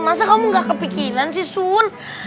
masa kamu gak kepikiran sih sun